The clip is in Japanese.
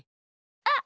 あっ！